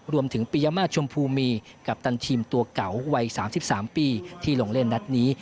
ปียมาตรชมพูมีกัปตันทีมตัวเก่าวัย๓๓ปีที่ลงเล่นนัดนี้